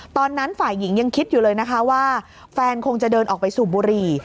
ตอนนั้นฝ่ายหญิงยังคิดอยู่เลยว่าแฟนคงจะเดินออกไปสู่บุรี